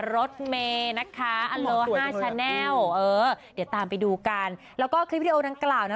รถเมย์นะคะอโลห้าชาแนลเออเดี๋ยวตามไปดูกันแล้วก็คลิปวิดีโอดังกล่าวนะ